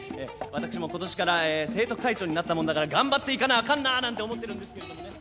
私も今年から生徒会長になったもんだから頑張っていかなあかんななんて思ってるんですけれどもね。